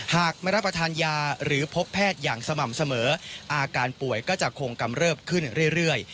หากไม่รับประทานยาหรือพบแพทย์อย่างสม่ำเสมออาการป่วยก็จะคงกำเริบขึ้นเรื่อย